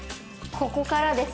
こっからです。